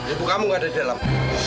ibu kamu gak ada di dalam